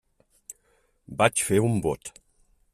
Vaig fer un bot.